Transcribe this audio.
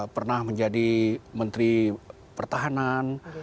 pernah menjadi menteri pertahanan